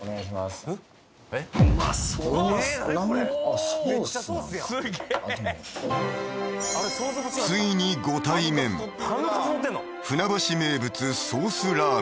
すげえついにご対面船橋名物